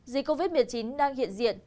dịch covid một mươi chín đang hiện diện